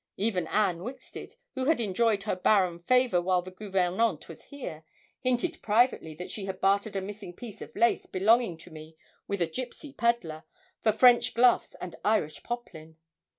Even Anne Wixted, who had enjoyed her barren favour while the gouvernante was here, hinted privately that she had bartered a missing piece of lace belonging to me with a gipsy pedlar, for French gloves and an Irish poplin.